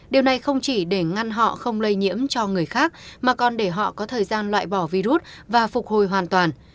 điều này không chỉ để ngăn họ không lây nhiễm cho người khác mà còn để họ có thời gian loại bỏ virus và phục hồi hoàn toàn